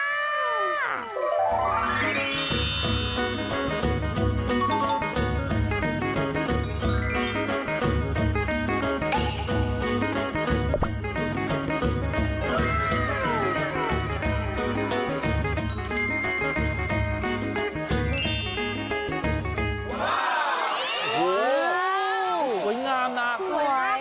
ว้าวสวยงามน่ะสวยสวยสวย